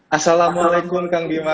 assalamualaikum kang bima